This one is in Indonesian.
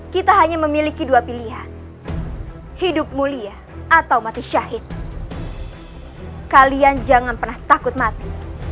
kita hanya memiliki dua pilihan hidup mulia atau mati syahid kalian jangan pernah takut mati